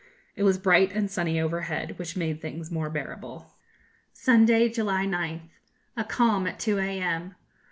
It was bright and sunny overhead, which made things more bearable. Sunday, July 9th. A calm at 2 a.m.